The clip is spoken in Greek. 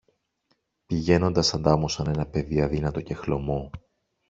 Πηγαίνοντας αντάμωσαν ένα παιδί αδύνατο και χλωμό